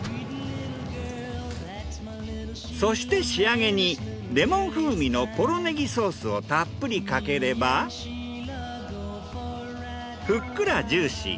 そして仕上げにレモン風味のポロネギソースをたっぷりかければふっくらジューシー！